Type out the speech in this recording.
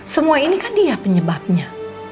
semua ini kan dia penyebabnya